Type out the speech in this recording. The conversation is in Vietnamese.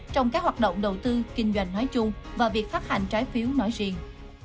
trong các hoạt động đầu tư kinh doanh nói chung và việc phát hành trái phiếu nói riêng